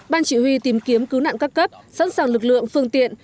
ban chỉ huy tìm kiếm cứu nạn các cấp sẵn sàng lực lượng phương tiện